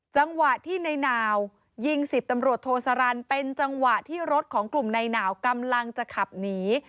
จังหวะที่ในหนาวยิง๑๐ตำรวจโทสารันเป็นจังหวะที่รถของกลุ่มในหนาวกำลังจะขับหนี